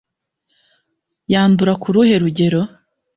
Yandura ku ruhe rugero